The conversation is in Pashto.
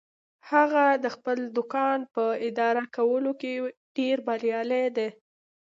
هغه د خپل دوکان په اداره کولو کې ډیر بریالی ده